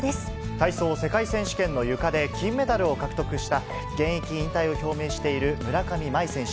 体操世界選手権のゆかで金メダルを獲得した、現役引退を表明している村上茉愛選手。